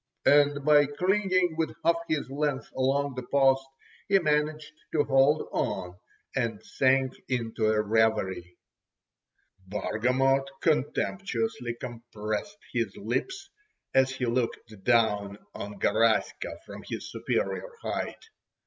and by clinging with half his length along the post he managed to hold on, and sank into a reverie. Bargamot contemptuously compressed his lips, as he looked down on Garaska from his superior height.